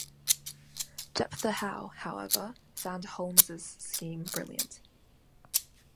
Jeptha Howe, however, found Holmes' scheme brilliant.